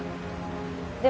で